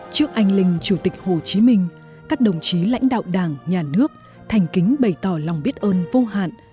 trước anh linh chủ tịch hồ chí minh các đồng chí lãnh đạo đảng nhà nước thành kính bày tỏ lòng biết ơn vô hạn